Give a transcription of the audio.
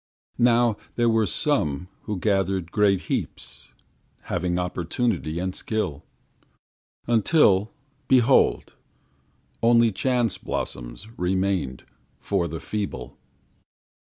Now there were some Who gathered great heaps Having opportunity and skill Until, behold, only chance blossoms Remained for the feeble.